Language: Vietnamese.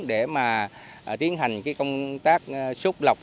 để mà tiến hành công tác xúc lọc